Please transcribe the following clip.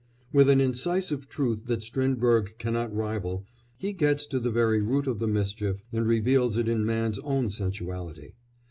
With an incisive truth that Strindberg cannot rival he gets to the very root of the mischief and reveals it in man's own sensuality.